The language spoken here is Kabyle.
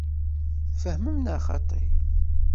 Tfehmem neɣ xaṭi?